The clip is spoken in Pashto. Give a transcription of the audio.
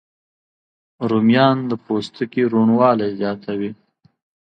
رومیان د پوستکي روڼوالی زیاتوي